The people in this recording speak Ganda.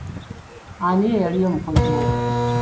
Ani eyali omukozi wo?